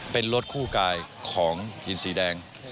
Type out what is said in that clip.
เป็นรถคู่กายของยินสีแดง